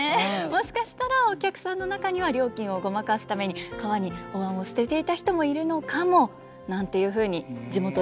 もしかしたらお客さんの中には料金をごまかすために川にお碗を捨てていた人もいるのかもなんていうふうに地元でも言われているそうです。